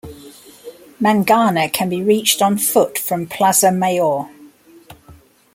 Mangana can be reached on foot from Plaza Mayor.